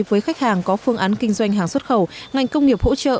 với khách hàng có phương án kinh doanh hàng xuất khẩu ngành công nghiệp hỗ trợ